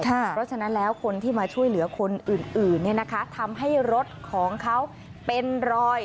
เพราะฉะนั้นแล้วคนที่มาช่วยเหลือคนอื่นทำให้รถของเขาเป็นรอย